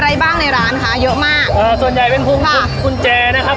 อะไรบ้างในร้านคะเยอะมากเอ่อส่วนใหญ่เป็นพุงค่ะกุญแจนะครับ